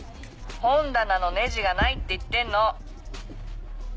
本棚のネジがないって言ってんの！